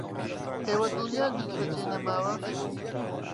ئێوە دڵنیان هیچ بەجێ نەماوە؟